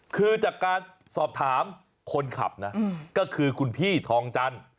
คือจากการสอบถามคนขับนะก็คือคุณพี่ทองจันทร์